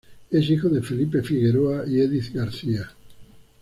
Es hijo de Felipe Figueroa y Edith García.